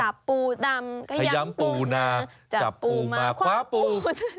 ปูดำย้ำปูนาจับปูมาคว้าปู